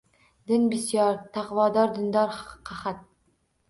Din bisyor, taqvodor dindor qahat;